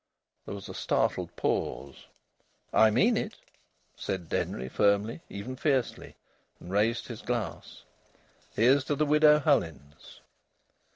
There was a startled pause. "I mean it," said Denry firmly, even fiercely, and raised his glass. "Here's to the Widow Hullins!"